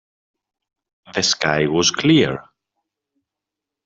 The sky was clear.